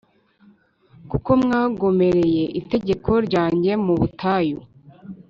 Kuko mwagomereye itegeko ryanjye mu butayu